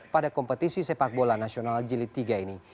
pada kompetisi sepak bola nasional jilid tiga ini